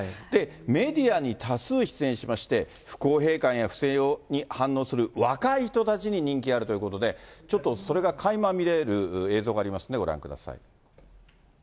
メディアに多数出演しまして、不公平感や不正に反応する若い人たちに人気があるということで、ちょっとそれがかいま見える映像がありますんで、ご覧ください。